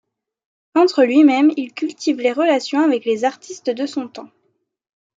Peintre lui-même, il cultive les relations avec les artistes de son temps.